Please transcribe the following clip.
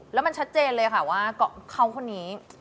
แล้วมันชัดเจนเลยค่ะว่าเขาคนนี้